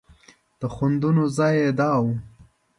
د خوند ځای یې دا و.